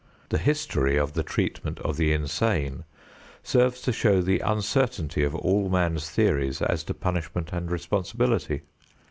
The history of the treatment of the insane serves to show the uncertainty of all man's theories as to punishment and responsibility.